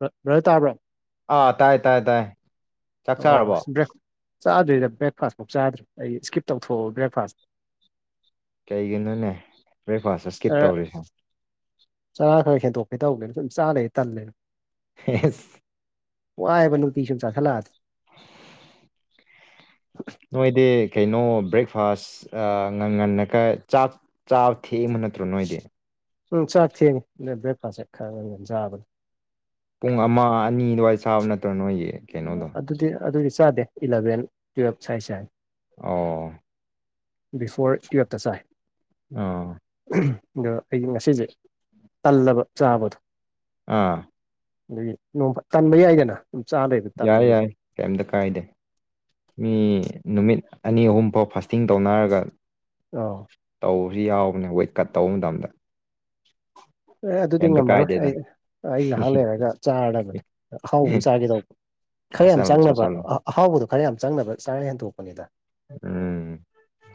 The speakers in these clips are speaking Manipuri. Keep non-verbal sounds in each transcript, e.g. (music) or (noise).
ꯕꯔꯗꯔ ꯇꯥꯕ꯭ꯔꯣ ꯑꯥ ꯇꯥꯏ ꯇꯥꯏ ꯇꯥꯏ ꯆꯥꯛ ꯑꯣ ꯑꯣ ꯆꯥꯔꯕꯣ ꯑꯁ ꯕ꯭ꯔꯦꯛ ꯆꯥꯗ꯭ꯣꯏꯗ ꯕ꯭ꯔꯦꯛꯐꯥꯁꯐꯥꯎꯛ ꯆꯥꯗ꯭ꯔꯦ ꯑꯩ ꯏꯁꯀꯤꯞ ꯇꯧꯊꯣꯛꯑꯣ ꯕ꯭ꯔꯦꯛꯐꯥꯁ ꯀꯩꯒꯤꯅꯣꯅꯦ ꯕ꯭ꯔꯦꯛꯐꯥꯁ ꯑꯁꯀꯤꯠ ꯈꯔ ꯇꯧꯔꯤꯁꯦ ꯆꯔꯥ ꯈꯔ ꯍꯦꯟꯗꯣꯛꯀꯦ ꯇꯧꯕꯅ ꯁꯨꯝ ꯆꯥꯔꯦ ꯇꯜꯂꯦꯅ ꯍꯦꯁ ꯋꯥꯏꯌꯦꯕ ꯅꯨꯡꯇꯤꯒꯤ ꯆꯥꯁꯤꯜꯂꯛꯑꯗꯤ ꯅꯣꯏꯗꯤ ꯀꯩꯅꯣ ꯕ꯭ꯔꯦꯛꯐꯥꯁ ꯉꯟ ꯉꯟꯅꯀ ꯆꯥꯛ ꯆ ꯊꯦꯛꯕ ꯅꯠꯇ꯭ꯔꯣ ꯅꯣꯏꯗꯤ ꯎꯝ ꯆꯠ ꯊꯦꯅꯤ ꯕ꯭ꯔꯦꯛꯐꯥꯁꯠ ꯈꯔ ꯈꯔ ꯆꯥꯕꯒꯤ ꯄꯨꯡ ꯑꯃ ꯑꯅꯤ ꯑꯗꯨꯋꯥꯏ ꯆꯥꯕ ꯅꯠꯇ꯭ꯔꯣ ꯅꯣꯏꯒꯤ ꯀꯩꯅꯣꯗꯣ ꯑꯗꯨꯗꯤ ꯑꯗꯨꯗꯤ ꯆꯥꯗꯦ ꯏꯂꯚꯦꯟ ꯇꯨꯌꯦꯜꯞ ꯁ꯭ꯋꯥꯏ ꯆꯥꯏ ꯑꯣ ꯕꯤꯐꯣꯔ ꯇꯨꯌꯦꯜꯞꯇ ꯆꯥꯏ ꯑ ꯑꯗꯣ ꯑꯩꯒꯤ ꯉꯁꯤꯁꯦ ꯇꯜꯂꯕ ꯆꯥꯕꯗꯣ ꯑꯥ ꯑꯗꯒꯤ ꯅꯣꯡ ꯇꯟꯕ ꯌꯥꯏꯗꯅ ꯑꯗꯨꯝ ꯆꯥ ꯂꯩꯕ ꯌꯥꯏ ꯇꯜꯂꯦꯕ ꯌꯥꯏ ꯀꯩꯝꯇ ꯀꯥꯏꯗꯦ ꯃꯤ ꯅꯨꯃꯤꯠ ꯑꯅꯤ ꯑꯍꯨꯝꯐꯥꯎ ꯐꯥꯁꯇꯤꯡ ꯇꯧꯅꯔꯒ ꯑꯥꯎ ꯇꯧꯕꯁꯨ ꯌꯥꯎꯕꯅꯦ ꯋꯦꯠꯀꯠ ꯇꯧꯕ ꯃꯇꯝꯗ ꯑꯦ ꯑꯗꯨꯗꯤ ꯀꯩꯝꯇ ꯉꯝꯃꯔꯣꯏ ꯀꯥꯏꯗꯦꯗ ꯑꯩ ꯑꯩ ꯉꯥꯏꯍꯥꯛ ꯂꯩꯔꯒ ꯆꯥꯅꯕꯅꯦ ꯑꯍꯥꯎꯕ ꯑꯃ ꯆꯥꯒꯦꯗꯧꯕ ꯈꯔ ꯌꯥꯝ ꯆꯥꯁꯜꯂꯣ ꯆꯪꯅꯕ ꯆꯥꯁꯜꯂꯣ ꯑꯍꯥꯎꯕꯗꯣ ꯈꯔ ꯌꯥꯝ ꯆꯪꯅꯕ ꯆꯥꯔ ꯍꯦꯟꯗꯣꯛꯄꯅꯤꯗ ꯎꯝ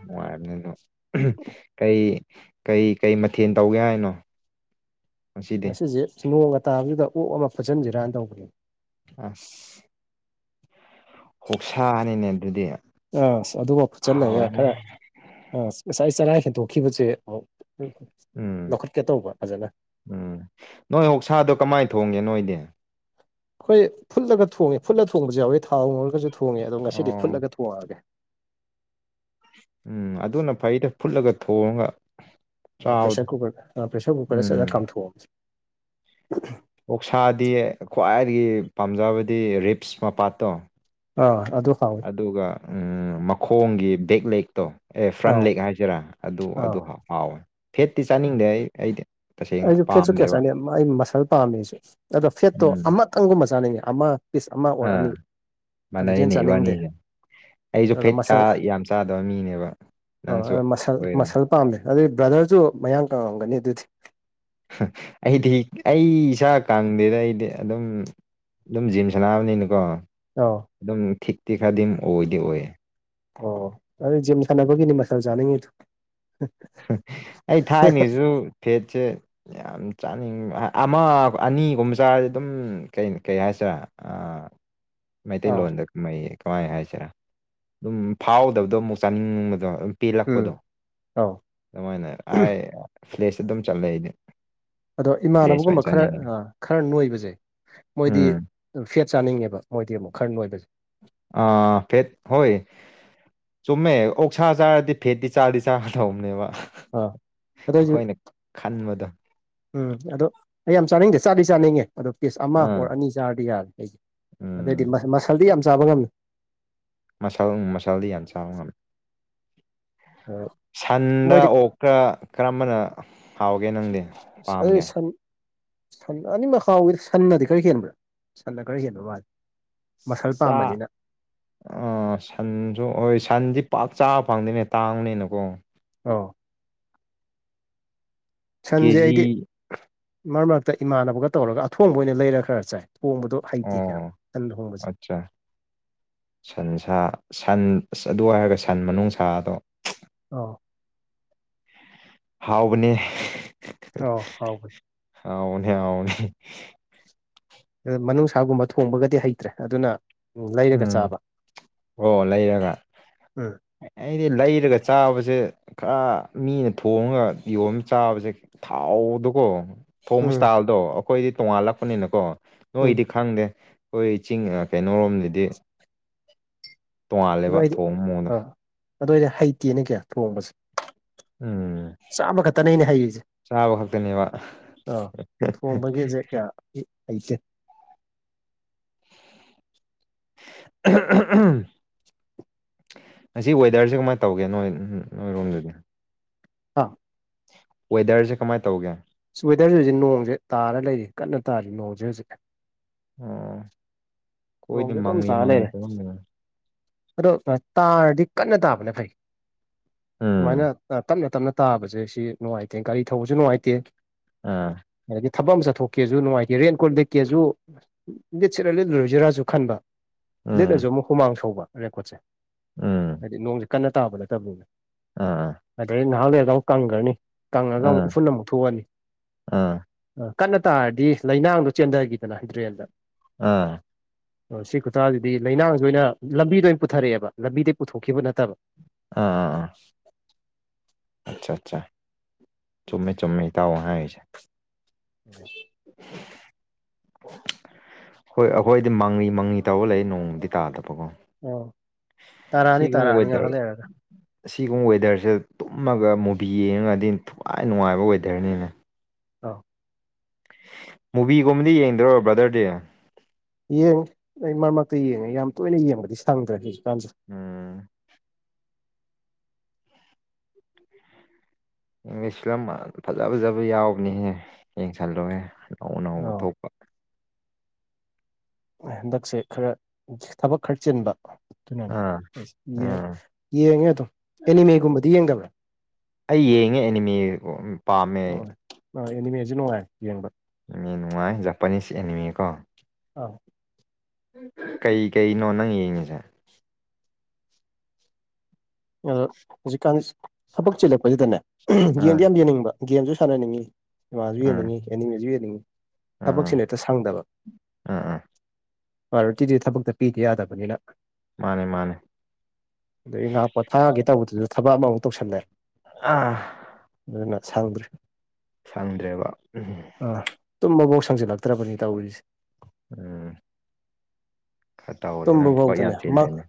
ꯅꯨꯡꯉꯥꯏꯕꯅꯤ ꯑꯗꯣ ꯀꯩ ꯀꯩ ꯀꯩ ꯃꯊꯦꯜ ꯇꯧꯒꯦ ꯍꯥꯏꯅꯣ ꯉꯁꯤꯗꯤ ꯉꯁꯤꯁꯦ ꯅꯣꯡꯒ ꯇꯥꯕꯁꯤꯗ ꯑꯣꯛ ꯑꯃ ꯐꯨꯠꯆꯟꯁꯤꯔꯅ ꯇꯧꯕꯅꯦ ꯑꯁ ꯍꯣꯛꯁꯥꯅꯤꯅꯦ ꯑꯗꯨꯗꯤ ꯑ ꯑꯗꯨꯃ ꯐꯨꯠꯆꯜꯂꯒ ꯍꯥꯎꯔꯅꯤ ꯈꯔ ꯑ ꯉꯁꯥꯏ ꯆꯔ ꯍꯦꯟꯗꯣꯛꯈꯤꯕꯁꯦ ꯑꯃꯨ ꯎꯝ ꯂꯧꯈꯠꯀꯦ ꯇꯧꯕ ꯐꯖꯅ ꯎꯝ ꯅꯣꯏ ꯑꯣꯨ ꯁꯥꯗꯣ ꯀꯃꯥꯏꯅ ꯊꯣꯡꯒꯦ ꯅꯣꯏꯗꯤ ꯍꯣꯏ ꯐꯨꯠꯂꯒ ꯊꯣꯡꯉꯦ ꯐꯨꯠꯂ ꯊꯣꯡꯕꯁꯨ ꯌꯥꯎꯋꯤ ꯊꯥꯎ ꯉꯔꯒꯁꯨ ꯊꯣꯡꯉꯦ ꯑꯗꯣ ꯉꯁꯤꯗꯤ ꯑꯣ ꯐꯨꯠꯂꯒ ꯊꯣꯡꯉꯛꯑꯒꯦ ꯎꯝ ꯑꯗꯨꯅ ꯐꯩꯗ ꯐꯨꯠꯂꯒ ꯊꯣꯡꯉꯒ ꯆꯥꯕꯗ ꯄ꯭ꯔꯦꯁꯔ ꯀꯨꯀꯔ ꯄ꯭ꯔꯦꯁꯔ ꯀꯨꯀꯔꯗ ꯆꯠꯂ ꯎꯝ ꯀꯥꯝꯊꯣꯛꯑꯕꯁꯦ ꯑꯣꯛꯁꯥꯗꯤ ꯈ꯭ꯋꯥꯏꯗꯒꯤ ꯄꯥꯝꯖꯕꯗꯤ ꯔꯤꯞꯁ ꯃꯄꯥꯠꯇꯣ ꯑꯥ ꯑꯗꯨ ꯍꯥꯎ ꯑꯗꯨꯒ ꯃꯈꯣꯡꯒꯤ ꯕꯦꯛ ꯂꯦꯛꯇꯣ ꯑꯦ ꯐ꯭ꯔꯟ ꯑꯥ ꯂꯦꯛ ꯍꯥꯏꯁꯤꯔꯥ ꯑꯗꯨ ꯑꯥ ꯑꯗꯨ ꯍꯥꯎ ꯍꯥꯎꯋꯤ ꯐꯦꯠꯇꯤ ꯆꯥꯅꯤꯡꯗꯦ ꯑꯩ ꯑꯩꯗꯤ ꯇꯁꯦꯡꯅ ꯑꯩꯁꯨ ꯐꯦꯠꯁꯨ ꯀꯌꯥ ꯄꯥꯝꯗꯦꯕ ꯆꯥꯅꯤꯡꯩ ꯑꯩ ꯃꯁꯜ ꯄꯥꯝꯃꯦ ꯑꯩꯁꯨꯦ ꯑꯗꯣ ꯐꯦꯠꯇꯣ ꯎꯝ ꯑꯃꯇꯪꯒꯨꯝꯕ ꯆꯥꯅꯤꯡꯉꯦ ꯑꯃ ꯄꯤꯁ ꯑꯃ ꯑꯣꯔ ꯑꯅꯤ ꯑꯥ ꯑꯗꯨꯗꯩ ꯍꯦꯟꯅ ꯃꯥꯟꯅꯩꯅꯦ ꯆꯥꯅꯤꯡꯗꯦ ꯏꯕꯥꯅꯤꯖꯦ ꯑꯩꯁꯨ ꯑꯗꯨꯒ ꯐꯦꯠ ꯆꯥ ꯃꯁꯜ ꯌꯥꯝ ꯆꯥꯗꯕ ꯃꯤꯅꯦꯕ ꯅꯪꯁꯨ ꯑ ꯃꯁꯜ ꯑꯣꯏꯔꯣ ꯃꯁꯜ ꯄꯥꯝꯃꯦ ꯑꯗꯨꯏ ꯕ꯭ꯔꯗꯔꯁꯨ ꯃꯌꯥꯡ ꯀꯪꯉꯝꯒꯅꯤ ꯑꯗꯨꯗꯤ ꯑꯩꯗꯤ ꯑꯩ ꯏꯁꯥꯛ ꯀꯥꯡꯗꯦꯗ ꯑꯩꯗꯤ ꯑꯗꯨꯝ ꯑꯗꯨꯝ ꯖꯤꯝ ꯁꯥꯟꯅꯥꯅꯕꯅꯤꯅꯀꯣ ꯑꯥꯎ ꯑꯗꯨꯝ ꯊꯤꯛꯇꯤ ꯈꯗꯤꯝ ꯑꯣꯏꯗꯤ ꯑꯣꯏꯌꯦ ꯑꯣ ꯑꯗꯨꯗꯤ ꯖꯤꯝ ꯁꯥꯟꯅꯕꯒꯤꯅꯤ ꯃꯁꯜ ꯆꯥꯅꯤꯡꯉꯤꯗꯨ ꯑꯩ ꯊꯥꯏꯅꯤꯁꯨ ꯐꯦꯠꯁꯦ ꯌꯥꯝ ꯆꯥꯅꯤꯡꯕ ꯑꯃ ꯑꯅꯤꯒꯨꯝꯕ ꯆꯥꯔꯗꯤ ꯑꯗꯨꯝ ꯀꯩ ꯀꯩ ꯍꯥꯏꯁꯤꯔꯦ ꯑ ꯑꯥꯎ ꯃꯩꯇꯩꯂꯣꯟꯗ ꯃꯩ ꯀꯃꯥꯏ ꯍꯥꯏꯁꯤꯔꯥ ꯑꯗꯨꯝ ꯐꯥꯎꯗꯕꯗꯣ ꯑꯃꯨꯛ ꯆꯥꯅꯤꯡꯕꯗꯣ ꯎꯝ ꯄꯦꯜꯂꯛꯄꯗꯣ ꯑꯥꯎ ꯑꯗꯨꯃꯥꯏꯅ ꯑꯥꯏ ꯐ꯭ꯂꯦꯁꯇ ꯑꯗꯨꯝ ꯆꯠꯂꯦ ꯑꯩꯗꯤ ꯑꯗꯣ ꯐ꯭ꯂꯦꯁ ꯑꯣꯏꯅ ꯏꯃꯥꯟꯅꯕꯒꯨꯝꯕ ꯈꯔ ꯆꯥꯅꯤꯡꯉꯦ ꯈꯔ ꯅꯣꯏꯕꯁꯦ ꯃꯣꯏꯗꯤ ꯎꯝ ꯐꯦꯠ ꯆꯥꯅꯤꯡꯉꯦꯕ ꯃꯣꯏꯗꯤ ꯑꯃꯨꯛ ꯈꯔ ꯅꯣꯏꯕꯁꯦ ꯑ ꯐꯦꯠ ꯍꯣꯏ ꯆꯨꯝꯃꯦ ꯑꯣꯛꯁꯥ ꯆꯥꯔꯗꯤ ꯐꯦꯠꯇꯤ ꯆꯥꯗꯤ ꯆꯥꯒꯗꯧꯕꯅꯦꯕ ꯑ ꯑꯗꯣ ꯑꯩꯁꯨ ꯑꯩꯈꯣꯏꯅ ꯈꯟꯕꯗꯣ ꯎꯝ ꯑꯗꯣ ꯑꯩ ꯌꯥꯝ ꯆꯥꯅꯤꯡꯗꯦ ꯆꯥꯗꯤ ꯆꯥꯅꯤꯡꯉꯦ ꯑꯗꯣ ꯄꯤꯁ ꯑꯃ ꯑꯥ ꯑꯣꯔ ꯑꯅꯤ ꯆꯥꯔꯗꯤ ꯌꯥꯔꯦ ꯑꯩꯗꯤ ꯑꯗꯨꯏꯗꯤ ꯎꯝ ꯃꯥꯁꯜ ꯃꯁꯜꯗꯤ ꯌꯥꯝ ꯆꯥꯕ ꯉꯝꯃꯤ ꯃꯁꯜ ꯃꯁꯜꯗꯤ ꯌꯥꯝꯟ ꯆꯥꯕ ꯉꯝꯃꯤ ꯁꯟꯗ ꯃꯣꯏꯗꯤ ꯑꯣꯛ ꯀ ꯀꯔꯝꯕꯅ ꯍꯥꯎꯒꯦ ꯅꯪꯗꯤ ꯑꯩ ꯄꯥꯝꯒꯦ ꯁꯟ ꯁꯟ ꯑꯅꯤꯃꯛ ꯍꯥꯎꯋꯤ ꯁꯟꯅꯗꯤ ꯈꯔ ꯍꯦꯟꯕ꯭ꯔꯥ ꯁꯟꯅ ꯈꯔ ꯍꯦꯟꯕ ꯃꯥꯜꯂꯤ ꯆꯥ ꯑꯥ ꯁꯟꯁꯨ ꯍꯣꯏ ꯁꯟꯗꯤ ꯄꯥꯛ ꯆꯥꯕ ꯐꯪꯗꯦꯅꯦ ꯇꯥꯡꯅꯤꯅꯀꯣ ꯑꯥꯎ ꯁꯟꯁꯦ ꯀꯦꯖꯤ ꯑꯩꯗꯤ ꯃꯔꯛ ꯃꯔꯛꯇ ꯏꯃꯥꯟꯅꯕꯒ ꯇꯧꯔꯒ ꯑꯊꯣꯡꯕ ꯑꯣꯏꯅ ꯂꯩꯔ ꯈꯔ ꯆꯥꯏ ꯊꯣꯡꯕꯗꯣ ꯐꯩꯇꯦ ꯀꯌꯥ ꯁꯟ ꯊꯣꯡꯕꯁꯦ ꯑꯆꯥ ꯁꯟ ꯁꯟꯁꯥ ꯁꯟ ꯑꯁ ꯑꯗꯨ ꯍꯥꯏꯔꯒ ꯁꯟ ꯃꯅꯨꯡ ꯁꯥꯗꯣ ꯑꯣ ꯍꯥꯎꯕꯅꯦ ꯑꯣ ꯍꯥꯎ ꯍꯥꯎꯕꯅꯦ ꯍꯥꯎꯕꯅꯦ ꯃꯅꯨꯡꯁꯥꯒꯨꯝꯕ ꯊꯣꯡꯕꯒꯗꯤ ꯍꯩꯇ꯭ꯔꯦ ꯑꯗꯨꯅ ꯂꯩꯔꯒ ꯎꯝ ꯆꯥꯕ ꯑꯣ ꯂꯩꯔꯒ ꯎꯝ ꯑꯩꯗꯤ ꯂꯩꯔꯒ ꯆꯥꯕꯁꯦ ꯈꯔ ꯃꯤꯅ ꯊꯣꯡꯉꯒ ꯌꯣꯝ ꯆꯥꯕꯁꯦ ꯊꯥꯎꯗꯨꯀꯣ ꯍꯣꯝ ꯎꯝ ꯏꯁꯇꯥꯜꯗꯣ ꯑꯩꯈꯣꯏꯗꯤ ꯇꯣꯉꯥꯜꯂꯛꯄꯅꯤꯅꯀꯣ ꯎꯝ ꯅꯣꯏꯗꯤ ꯈꯪꯗꯦ ꯑꯩꯈꯣꯏ ꯆꯤꯡ ꯀꯩꯅꯣꯔꯣꯝꯗꯗꯤ ꯇꯣꯡꯉꯥꯜꯂꯦꯕ ꯑꯗꯨꯏꯗꯤ ꯊꯣꯡꯕ ꯃꯑꯣꯡꯗꯣ ꯑꯥ ꯑꯗꯨꯋꯥꯏꯗꯤ ꯍꯩꯇꯦꯅ ꯀꯌꯥ ꯊꯣꯡꯕꯁꯦ ꯎꯝ ꯆꯥꯕ ꯈꯛꯇꯅꯦ ꯑꯩꯅ ꯍꯩꯔꯤꯁꯦ ꯆꯥꯕ ꯈꯛꯇꯅꯦꯕ ꯑꯥ ꯊꯣꯡꯕꯒꯦꯁꯦ ꯀꯌꯥ ꯍꯩꯇꯦ (unintelligible) ꯉꯁꯤ ꯋꯦꯗꯔꯁꯦ ꯀꯃꯥꯏꯅ ꯇꯧꯒꯦ ꯅꯣꯏ ꯅꯣꯏꯔꯣꯝꯗꯨꯗꯤ ꯑꯥ ꯋꯦꯗꯔꯁꯦ ꯀꯃꯥꯏꯅ ꯇꯧꯒꯦ ꯏꯁ ꯋꯦꯗꯔꯁꯦ ꯍꯧꯖꯤꯛ ꯅꯣꯡꯁꯦ ꯇꯥꯔ ꯂꯩꯔꯤ ꯀꯟꯅ ꯇꯥꯔꯤ ꯅꯣꯡꯁꯦ ꯍꯧꯖꯤꯛ ꯑꯣ ꯀꯣꯏꯗꯤ ꯅꯣꯡꯁꯦ ꯑꯗꯨꯝ ꯃꯥꯡꯉ ꯇꯥꯔ ꯂꯩꯔꯦ ꯃꯥꯡꯉ ꯇ ꯑꯗꯣ ꯇꯥꯔꯗꯤ ꯀꯟꯅ ꯇꯥꯕꯅ ꯐꯩ ꯎꯝ ꯁꯃꯥꯏꯅ ꯇꯞꯅ ꯇꯞꯅ ꯇꯥꯕꯁꯦ ꯁꯤ ꯅꯨꯡꯉꯥꯏꯇꯦ ꯒꯥꯔꯤ ꯊꯧꯕꯁꯨ ꯅꯨꯡꯉꯥꯏꯇꯦ ꯑꯥ ꯑꯗꯒꯤ ꯊꯕꯛ ꯑꯃ ꯆꯠꯊꯣꯛꯀꯦꯁꯨ ꯅꯨꯡꯉꯥꯏꯒꯦ ꯔꯦꯟ ꯀꯣꯜ ꯂꯤꯦꯛꯀꯦꯁꯨ ꯂꯤꯠ ꯁꯤꯔ ꯂꯤꯠꯂꯔꯣꯏꯁꯤꯔꯥ ꯁꯨ ꯈꯟꯕ ꯂꯤꯠꯂꯁꯨ ꯎꯝ ꯑꯃꯨꯛ ꯍꯨꯃꯥꯡ ꯁꯧꯕ ꯔꯦꯡꯀꯣꯔꯠꯁꯦ ꯎꯝ ꯍꯥꯏꯗꯤ ꯅꯣꯡꯁꯦ ꯀꯟꯅ ꯇꯥꯕ ꯅꯠꯇꯕꯅꯤꯅ ꯑꯥ ꯑꯗꯩ ꯅꯍꯥꯟꯋꯥꯔꯒ ꯑꯃꯨꯛ ꯀꯪꯈ꯭ꯔꯅꯤ ꯀꯪꯉꯒ ꯑꯃꯨꯛ ꯑꯥ ꯎꯐꯨꯟꯅ ꯑꯃꯨꯛ ꯊꯣꯛꯑꯅꯤ ꯑꯥ ꯑꯥ ꯑ ꯀꯟꯅ ꯇꯥꯔꯗꯤ ꯂꯩꯅꯥꯡꯗꯣ ꯆꯦꯟꯊꯈꯤꯗꯅ ꯗ꯭ꯔꯦꯟꯗ ꯑ ꯑꯣ ꯁꯤ ꯈꯨꯇꯥꯁꯤꯗꯤ ꯂꯩꯅꯥꯡꯁ ꯑꯣꯏꯅ ꯂꯝꯕꯤꯗ ꯑꯣꯏꯅ ꯄꯨꯊꯔꯛꯑꯦꯕ ꯂꯝꯕꯤꯗꯩ ꯄꯨꯊꯣꯛꯈꯤꯕ ꯅꯠꯇꯕ ꯑꯥ ꯑꯥ ꯑꯥ ꯑꯆꯥ ꯑꯆꯥ ꯆꯨꯝꯃꯦ ꯆꯨꯝꯃꯦ ꯏꯇꯥꯎ ꯍꯥꯏꯁꯦ ꯎꯝ ꯑꯣ ꯍꯣꯏ ꯑꯩꯈꯣꯏꯗꯤ ꯃꯪꯂꯤ ꯃꯪꯂꯤ ꯇꯧꯕ ꯂꯩ ꯅꯣꯡꯃꯗꯤ ꯇꯥꯗꯕꯀꯣ ꯑꯣ ꯇꯥꯔꯛꯑꯅꯤ ꯁꯤ ꯀ ꯇꯥꯔꯛꯑꯅꯤ ꯑꯣꯏꯋꯦꯗꯔꯦ ꯉꯥꯏꯍꯥꯛ ꯂꯩꯔꯒ ꯑꯁꯤꯒꯨꯝꯕ ꯋꯦꯗꯔꯁꯦ ꯇꯨꯝꯃꯒ ꯃꯨꯚꯤ ꯌꯦꯡꯉꯒꯗꯤ ꯊꯋꯥꯏ ꯅꯨꯡꯉꯥꯏꯕ ꯋꯦꯗꯔꯅꯤꯅꯦ ꯑꯥ ꯃꯨꯚꯤꯒꯨꯝꯕꯗꯤ ꯌꯦꯡꯗ꯭ꯔꯣ ꯕ꯭ꯔꯥꯗꯔꯗꯤ ꯌꯦꯡꯉ ꯑꯩ ꯃꯔꯛ ꯃꯔꯛꯇ ꯌꯦꯡꯉꯦ ꯌꯥꯝ ꯇꯣꯏꯅ ꯌꯦꯡꯕꯗꯤ ꯁꯪꯗ꯭ꯔꯦ ꯍꯧꯖꯤꯛꯀꯥꯟꯁꯦ ꯎꯝ ꯏꯪꯂꯤꯁꯤꯂꯝ ꯐꯖ ꯐꯖꯕ ꯌꯥꯎꯕꯅꯤꯍꯦ ꯌꯦꯡꯁꯜꯂꯋꯦ ꯑꯅꯧ ꯑꯅꯧꯕ ꯑꯧ ꯊꯣꯛꯄ ꯍꯟꯗꯛꯁꯦ ꯈꯔ ꯊꯕꯛ ꯈꯔ ꯆꯤꯟꯕ ꯑꯗꯨꯅꯅꯤ ꯑꯥ ꯑꯩꯁ ꯑꯥ ꯌꯦ ꯌꯦꯡꯉꯦ ꯑꯗꯝ ꯑꯦꯅꯤꯃꯦꯒꯨꯝꯕꯗꯤ ꯌꯦꯡꯕ꯭ꯔꯥ ꯑꯩ ꯌꯦꯡꯉꯦ ꯑꯦꯅꯤꯃꯦ ꯄꯥꯝꯃꯦ ꯑꯦꯅꯤꯃꯦꯁꯤ ꯅꯨꯡꯉꯥꯏ ꯌꯦꯡꯕ ꯃꯤꯦꯟ ꯋꯥꯥꯏ ꯖꯄꯅꯤꯁ ꯑꯦꯅꯤꯃꯤꯀꯣ ꯑꯥ ꯀꯩ ꯀꯩꯅꯣ ꯅꯪ ꯌꯦꯡꯉꯤꯁꯦ ꯑꯗꯣ ꯍꯧꯖꯤꯛꯀꯥꯟ ꯊꯕꯛ ꯆꯤꯜꯂꯛꯄꯁꯤꯗꯅꯦ ꯑꯥ ꯒꯦꯝꯗ ꯌꯥꯝ ꯌꯦꯡꯅꯤꯡꯕ ꯒꯦꯝꯖꯨ ꯁꯥꯟꯅꯅꯤꯡꯉꯤ ꯁꯤꯃꯥꯖꯨ ꯑꯥ ꯌꯦꯡꯅꯤꯡꯉꯤ ꯑꯦꯅꯤꯃꯦꯖꯨ ꯌꯦꯡꯅꯤꯡꯉꯤ ꯑꯥ ꯊꯥꯕꯛꯁꯤ ꯍꯦꯛꯇ ꯁꯪꯗꯕ ꯑꯥ ꯑꯥ ꯄꯥꯥꯏꯔꯣꯇꯤꯗꯤ ꯊꯕꯛꯇ ꯄꯤꯗ ꯌꯥꯗꯕꯅꯤꯅ ꯃꯥꯅꯦ ꯃꯥꯅꯦ ꯑꯗꯩ ꯉꯥꯛ ꯄꯣ ꯊꯥꯒꯦ ꯇꯧꯕꯗꯨꯖꯨ ꯊꯕꯛ ꯑꯃꯃꯨꯛ ꯇꯧꯁꯜꯂꯦ ꯑꯥ ꯑꯗꯨꯅ ꯁꯪꯗ꯭ꯔꯦ ꯁꯪꯗ꯭ꯔꯦꯕ ꯎꯝ ꯑꯥ ꯇꯨꯝꯕꯕꯨꯛ ꯁꯪꯖꯜꯂꯛꯇ꯭ꯔꯕꯅꯤ ꯇꯧꯔꯤꯁꯦ ꯎꯝ ꯈꯔ ꯇꯧꯔꯦ ꯅꯪ ꯇꯨꯝꯕꯕꯧ ꯊꯕꯛ ꯌꯥꯝ ꯇꯅꯦ ꯑꯃ ꯆꯤꯜꯂꯦꯅꯦ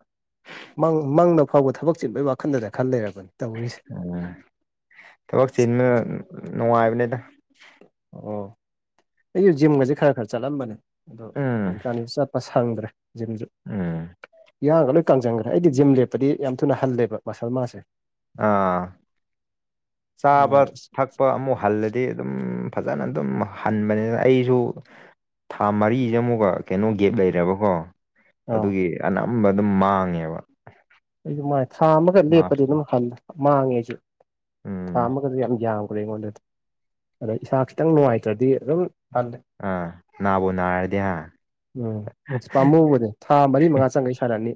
ꯃꯪ ꯃꯪꯗ ꯐꯥꯎꯕ ꯊꯕꯛ ꯆꯤꯟꯕꯒꯤ ꯋꯈꯜꯗꯗ ꯈꯜꯂꯩꯔꯕꯅꯤ ꯇꯧꯔꯤꯁꯦ ꯎꯝ ꯊꯕꯛ ꯆꯤꯟꯕ ꯅꯨꯡꯉꯥꯏꯕꯅꯤꯗ ꯑꯣ ꯑꯩꯖꯨ ꯖꯤꯝꯒꯖꯦ ꯈꯔ ꯈꯔ ꯆꯠꯂꯝꯕꯅꯦ ꯑꯗꯣ ꯎꯝ ꯍꯧꯖꯤꯛꯀꯥꯟꯗꯤ ꯆꯠꯄ ꯁꯪꯗ꯭ꯔꯦ ꯖꯤꯝꯁꯨ ꯎꯝ ꯏꯌꯥꯡꯒ ꯂꯣꯏ ꯀꯡꯖꯟꯒꯔꯦ ꯑꯩꯗꯤ ꯖꯤꯝ ꯂꯦꯞꯄꯗꯤ ꯌꯥꯝ ꯊꯨꯅ ꯍꯜꯂꯦꯕ ꯃꯁꯜ ꯃꯥꯁꯁꯦ ꯑꯥ ꯆꯥꯕ ꯊꯛꯄ ꯑꯃꯨꯛ ꯍꯜꯂꯦ ꯗꯤ ꯑꯗꯨꯝ ꯐꯖꯅ ꯑꯗꯨꯝ ꯍꯟꯕꯅꯤꯅ ꯑꯩꯖꯨ ꯊꯥ ꯃꯔꯤꯁꯦ ꯑꯃꯨꯛꯀ ꯀꯩꯅꯣ ꯒꯦꯞ ꯂꯩꯅꯕꯀꯣ ꯑꯧ ꯑꯗꯨꯒꯤ ꯑꯅꯝꯕ ꯑꯗꯨꯝ ꯃꯥꯡꯉꯦꯕ ꯑꯩꯁꯨ ꯃꯥꯏ ꯊꯥ ꯑꯃꯒ ꯂꯦꯞꯄꯗꯤ ꯃꯥꯁ ꯑꯗꯨꯝ ꯍꯟ ꯃꯥꯡꯉꯦ ꯑꯩꯁꯨ ꯊꯥ ꯎꯝ ꯑꯃꯒꯁꯦ ꯌꯥꯝ ꯌꯥꯝꯒꯔꯦ ꯑꯩꯉꯣꯟꯗꯗꯤ ꯑꯗꯥꯥ ꯏꯁꯥ ꯈꯤꯇꯪ ꯅꯨꯡꯉꯥꯏꯇ꯭ꯔꯗꯤ ꯑꯗꯨꯝ ꯍꯜꯂꯦ ꯑ ꯅꯥꯕꯨꯅꯥꯔꯗꯤ ꯍꯥ ꯎꯝ ꯄꯥꯝꯃꯨꯕꯅꯦ ꯊꯥ ꯃꯔꯤ ꯃꯪꯉꯥ ꯆꯪꯈꯩ ꯁꯥꯟꯅꯅꯤ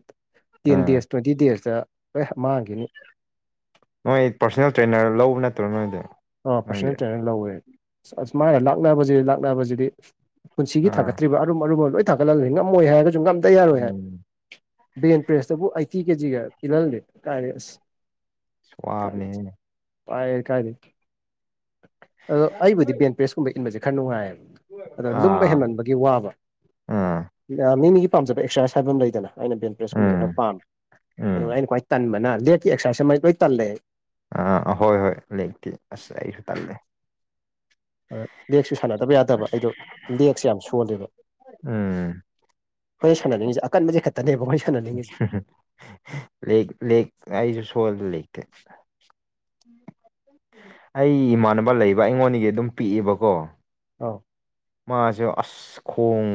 ꯇꯦꯟ ꯑꯥ ꯗꯦꯁ ꯇꯨꯋꯦꯟꯇꯤ ꯗꯦꯁꯇ ꯂꫭꯏ ꯃꯥꯡꯈꯤꯅꯤ ꯅꯣꯏ ꯄꯔꯁꯣꯅꯦꯜ ꯇ꯭ꯔꯦꯅꯔ ꯂꯧꯕ ꯅꯠꯇ꯭ꯔꯣ ꯅꯣꯏꯗꯤ ꯑꯣ ꯅꯪꯗꯤ ꯄꯔꯁꯣꯅꯦꯜ ꯇ꯭ꯔꯦꯅꯔ ꯂꯧꯋꯦ ꯑꯁ ꯃꯥꯥꯅ ꯂꯥꯛꯅꯕꯖꯤꯗꯤ ꯂꯥꯛꯅꯕꯖꯤꯗꯤ ꯄꯨꯟꯁꯤꯒꯤ ꯑꯥ ꯊꯥꯡꯒꯠꯇ꯭ꯔꯤꯕ ꯑꯔꯨꯝ ꯑꯔꯨꯝꯕ ꯂꯣꯏ ꯊꯥꯡꯒꯠꯍꯜꯂꯦ ꯉꯝꯃꯣꯏ ꯍꯥꯏꯔꯒꯖꯨ ꯉꯝꯗ ꯌꯥꯔꯣꯏ ꯍꯥꯏ ꯎꯝ ꯕꯦꯟ ꯄ꯭ꯔꯦꯁꯇꯕꯨ ꯑꯩꯠꯇꯤ ꯀꯦꯖꯤꯒ ꯄꯤꯜꯍꯜꯂꯦ ꯀꯥꯏꯔꯦ ꯑꯁ ꯑꯁ ꯀꯥꯏ ꯋꯥꯕꯅꯦꯍꯦ ꯋꯥꯏꯌꯦ ꯀꯥꯏꯗꯩꯩ ꯑꯗꯣ ꯑꯩꯕꯨꯗꯤ ꯄꯦꯟ ꯄ꯭ꯔꯦꯁꯀꯨꯝꯕ ꯏꯟꯕꯁꯦ ꯈꯔ ꯅꯨꯡꯉꯥꯏꯌꯦꯕ ꯑꯗꯣ ꯂꯨꯝꯕ ꯑꯥ ꯍꯦꯟꯃꯟꯕ ꯒꯤ ꯋꯥꯕ ꯑꯥ ꯃꯤ ꯃꯤꯒꯤ ꯄꯥꯝꯖꯕ ꯑꯦꯛꯁꯔꯁꯥꯏꯁ ꯍꯥꯏꯕ ꯑꯃ ꯂꯩꯗꯅ ꯑꯩꯅ ꯕꯦꯟ ꯄ꯭ꯔꯦꯁꯀꯨꯝꯕꯁꯦ ꯎꯝ ꯈꯔ ꯄꯥꯝꯃꯦ ꯑꯗꯨꯒ ꯎꯝ ꯑꯩꯅ ꯈ꯭ꯋꯥꯏ ꯇꯟꯕꯅ ꯂꯦꯛꯀꯤ ꯑꯦꯛꯁꯔꯁꯥꯏ ꯑꯃ ꯂꯣꯏ ꯇꯜꯂꯦ ꯑꯥ ꯍꯣꯏ ꯍꯣꯏ ꯂꯦꯛꯇꯤ ꯑꯁ ꯑꯩꯁꯨ ꯇꯜꯂꯦ ꯂꯦꯛꯁꯨ ꯁꯥꯟꯅꯗꯕ ꯌꯥꯗꯕ ꯑꯩꯗꯣ ꯂꯦꯛꯁꯦ ꯌꯥꯝ ꯁꯣꯜꯂꯦꯕ ꯎꯝ ꯑꯩꯈꯣꯏ ꯁꯥꯟꯅꯅꯤꯡꯖꯦ ꯑꯀꯟꯕꯖꯦ ꯈꯠꯇꯅꯦꯕ ꯑꯩꯈꯣꯏ ꯁꯥꯟ ꯂꯦꯛ ꯂꯦꯛꯅ ꯑꯩꯁꯨ ꯁꯣꯜ ꯂꯦ ꯑꯩ ꯏꯃꯥꯟꯅꯕ ꯂꯩꯕ ꯑꯩꯉꯣꯟꯗꯒꯤ ꯑꯗꯨꯝ ꯄꯤꯛꯑꯦꯕꯀꯣ ꯑꯥꯎ ꯃꯥꯖꯨ ꯑꯁ ꯑꯁ ꯈꯣꯡ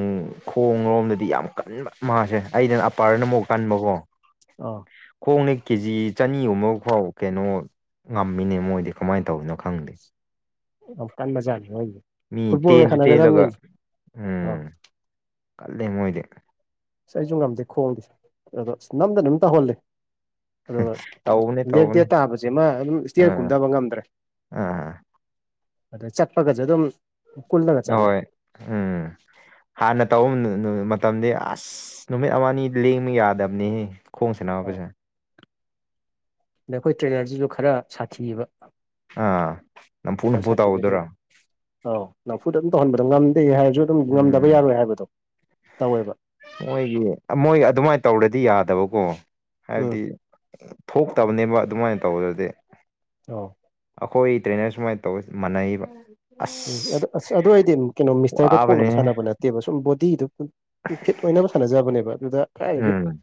ꯈꯣꯡ ꯂꯣꯝꯗꯗꯤ ꯌꯥꯝ ꯀꯟꯕ ꯃꯥꯁꯦ ꯑꯩꯩꯅ ꯑꯄꯔꯗ ꯑꯃꯨꯛ ꯀꯟꯕꯀꯣ ꯑꯧ ꯈꯣꯡꯅ ꯀꯦꯖꯤ ꯆꯅꯤꯒ ꯐꯥꯎ ꯀꯩꯅꯣ ꯉꯝꯃꯤꯅꯦ ꯃꯣꯏꯗꯤ ꯀꯃꯥꯏꯅ ꯇꯧꯔꯤꯅꯣ ꯈꯪꯗꯦ ꯌꯥꯝ ꯀꯟꯕꯥ ꯖꯥꯠꯅꯤ ꯃꫭꯏꯖꯦ ꯃꯤ ꯇꯦꯟꯖꯨ ꯇꯦꯜꯂꯒ ꯑꯥ ꯎꯝ ꯀꯜꯂꯦ ꯃꯣꯏꯗꯤ ꯑꯁ ꯑꯩꯖꯨ ꯉꯝꯗꯦ ꯈꯣꯡꯗꯤ ꯑꯗꯣ ꯑꯁ ꯅꯝꯗꯅ ꯑꯗꯨꯝ ꯇꯧꯍꯜꯂꯦ ꯑꯗꯨꯒ ꯇꯧꯕꯅꯦ ꯂꯦ ꯗꯦ ꯇꯧꯕꯅꯦ ꯇꯥꯕꯁꯦꯃ ꯑꯗꯨꯝ ꯏꯁꯇꯤꯌꯔ ꯑꯥ ꯀꯨꯝꯊꯕ ꯉꯝꯗ꯭ꯔꯦ ꯑꯥ ꯑꯗ ꯆꯠꯄꯒꯖꯦ ꯑꯗꯨꯝ ꯀꯨꯜꯂꯒ ꯆꯠꯂꯦ ꯑꯍꯣꯏ ꯎꯝ ꯍꯥꯟꯅ ꯇꯧꯕ ꯃꯇꯝꯗꯤ ꯑꯁ ꯅꯨꯃꯤꯠ ꯑꯃ ꯅꯤ ꯂꯦꯡꯕ ꯌꯥꯗꯝꯅꯤꯍꯦ ꯈꯣꯡꯁꯅꯕꯁꯦ ꯅꯈꯣꯏ ꯇ꯭ꯔꯦꯅꯔꯗꯨꯖꯨ ꯈꯔ ꯁꯥꯊꯤꯑꯦꯕ ꯑꯥ ꯅꯝꯐꯨ ꯈꯔ ꯅꯝꯐꯨ ꯁꯊꯤꯕ ꯍꯦꯜ ꯇꯧꯗꯣꯏꯔꯣ ꯑꯥꯎ ꯅꯝꯐꯨꯗ ꯑꯗꯨꯝ ꯇꯧꯍꯟꯕꯗꯣ ꯉꯝꯗꯦ ꯍꯥꯏꯔꯖꯨ ꯑꯗꯨꯝ ꯉꯝꯗꯕ ꯎꯝ ꯌꯥꯔꯣꯏ ꯍꯥꯏꯕꯗꯣ ꯇꯧꯋꯦꯕ ꯃꯣꯏꯒꯤ ꯃꯣꯏ ꯑꯗꯨꯃꯥꯏꯅ ꯇꯧꯔꯗꯤ ꯌꯥꯗꯕꯀꯣ ꯎꯝ ꯍꯥꯏꯕꯗꯤ ꯊꯣꯛꯇꯕꯅꯦꯕ ꯑꯗꯨꯃꯥꯏꯅ ꯇꯧꯕꯗꯗꯤ ꯑꯣ ꯑꯩꯈꯣꯏ ꯇ꯭ꯔꯦꯅꯔ ꯁꯨꯃꯥꯏ ꯇꯧ ꯌꯦ ꯃꯥꯟꯅꯩꯕ ꯎꯝ ꯑꯗꯣ ꯑꯁ ꯑꯗꯨ ꯑꯣꯏꯗꯤꯝ ꯀꯩꯅꯣ ꯃꯤꯁꯇꯔꯒ ꯋꯥꯕꯅꯦ ꯊꯣꯛꯅꯕ ꯁꯥꯟꯅꯕ ꯅꯠꯇꯦꯕ ꯁꯨꯝ ꯕꯣꯗꯤꯗꯨ ꯐꯤꯠ ꯑꯣꯏꯅꯕ ꯁꯥꯟꯅꯖꯕꯅꯦꯕ ꯑꯗꯨꯗ ꯀꯗꯥꯏꯗꯒꯤ ꯎ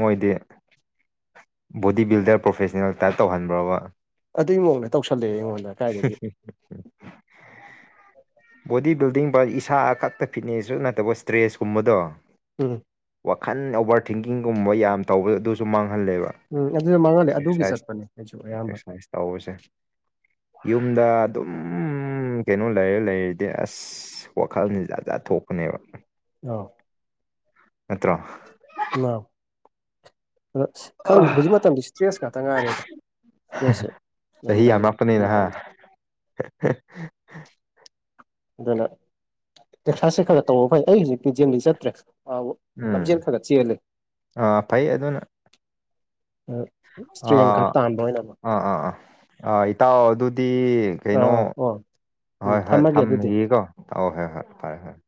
ꯃꯣꯏꯗꯤ ꯕꯣꯗꯤ ꯕꯤꯜꯗꯔ ꯄ꯭ꯔꯣꯐꯦꯁꯅꯦꯜ ꯇꯥꯏꯞ ꯇꯧꯍꯟꯕ꯭ꯔꯕ ꯑꯗꯨꯏ ꯃꯑꯣꯡꯗ ꯇꯧꯁꯜꯂꯛꯑꯦ ꯑꯩꯉꯣꯟꯗ ꯀꯥꯏꯗꯒꯤ ꯕꯣꯗꯤ ꯕꯤꯜꯗꯤꯡ ꯚꯥꯏ ꯏꯁꯥ ꯈꯛꯇ ꯐꯤꯠꯅꯦꯁꯁꯨ ꯅꯠꯇꯕ ꯏꯁꯇ꯭ꯔꯦꯁ ꯀꯨꯝꯕꯗꯣ ꯎꯝ ꯋꯥꯈꯜ ꯑꯣꯕꯔ ꯊꯤꯡꯀꯤꯡꯒꯨꯝꯕ ꯌꯥꯝ ꯇꯧꯕ ꯑꯗꯨ ꯇꯨ ꯃꯥꯡꯍꯜꯂꯦꯕ ꯎꯝ ꯑꯗꯨꯗ ꯃꯥꯡꯍꯜꯂꯦ ꯑꯗꯨꯒꯤ ꯑꯦꯛꯁꯔꯁꯥꯏꯖ ꯆꯠꯄꯅꯦ ꯑꯩꯁꯨ ꯑꯌꯥꯝꯕ ꯑꯦꯛꯁꯁꯥꯏꯁ ꯇꯧꯕꯁꯦ ꯌꯨꯝꯗ ꯑꯗꯨꯝ ꯀꯩꯅꯣ ꯂꯩꯔ ꯂꯩ ꯗꯤ ꯑꯁ ꯋꯥꯈꯜꯅꯤ ꯖꯥꯠꯖꯥꯠ ꯊꯣꯛꯄꯅꯦꯕ ꯑꯥꯎ ꯅꯠꯇ꯭ꯔꯣ ꯃꯥ ꯑꯗ ꯈꯪꯗꯦ ꯍꯧꯖꯤꯛ ꯃꯇꯝꯗꯤ ꯏꯁꯇ꯭ꯔꯦꯁ ꯉꯥꯛꯇ ꯉꯥꯏꯔꯦꯗ ꯏꯁꯇ꯭ꯔꯦꯁꯁꯦ ꯌꯥꯝ ꯆꯍꯤ ꯂꯩꯔꯦ ꯍꯧꯖꯤꯛ ꯌꯥꯝꯃꯛꯄꯅꯤꯅ ꯍꯥ ꯃꯇꯝꯗ (inaudible) ꯑꯗꯨꯅ ꯇꯦꯛꯁꯥꯁꯦ ꯈꯒ ꯇꯧꯕ ꯐꯩ ꯑꯩ ꯍꯧꯖꯤꯛꯇꯤ ꯖꯤꯝꯗꯤ ꯆꯠꯇ꯭ꯔꯦ ꯑꯥꯎ ꯂꯝꯖꯦꯜ ꯈꯥ ꯒꯥ ꯆꯦꯜꯂꯦ ꯥ ꯑ ꯐꯩ ꯑꯗꯨꯅ ꯑ ꯏꯁꯇ꯭ꯔꯦꯡ ꯈꯛ ꯑꯥ ꯇꯥꯟꯕ ꯑꯣꯏꯅꯃꯛ ꯑꯥ ꯑꯥ ꯑꯥ ꯑꯥ ꯏꯇꯥꯎ ꯑꯗꯨꯗꯤ ꯀꯩꯅꯣ ꯑꯥ ꯍꯣꯏ ꯎꯝ ꯍꯣꯏ ꯍꯣꯏ ꯊꯝꯃꯒꯦ ꯑꯗꯨꯗꯤ ꯊꯝꯈꯤꯀꯣ ꯑꯧ ꯍꯣꯏ ꯍꯣꯏ ꯐꯔꯦ ꯐꯔꯦ